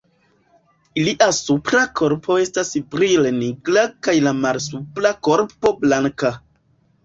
Ilia supra korpo estas brile nigra kaj la malsupra korpo blanka.